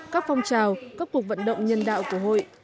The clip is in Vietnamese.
các phong trào các cuộc vận động nhân đạo của hội